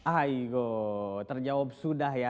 aigo terjawab sudah ya